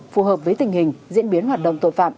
phù hợp với tình hình diễn biến hoạt động tội phạm